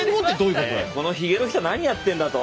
このひげの人何やってんだと。